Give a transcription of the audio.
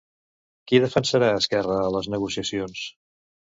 Qui defensarà Esquerra a les negociacions?